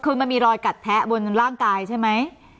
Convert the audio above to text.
คือมันมีรอยกัดแทะบนร่างกายใช่ไหม